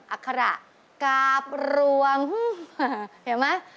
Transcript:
อัคระกาบรวงเห็นไหม